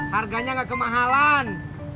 harganya gak kemahalan